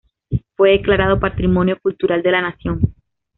Fue declarado Patrimonio Cultural de la Nación.